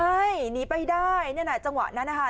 ใช่หนีไปได้นั่นน่ะจังหวะนั้นนะคะ